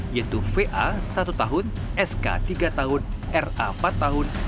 yaitu va satu tahun sk tiga tahun ra empat tahun